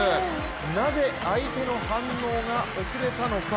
なぜ相手の反応が遅れたのか。